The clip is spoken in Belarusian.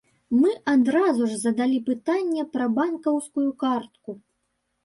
Мы адразу ж задалі пытанне пра банкаўскую картку.